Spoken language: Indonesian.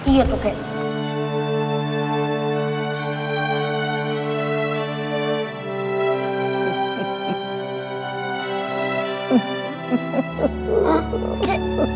iya tuh kek